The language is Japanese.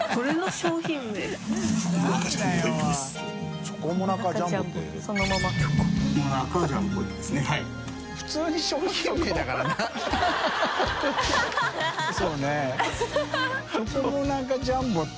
修Δチョコモナカジャンボって。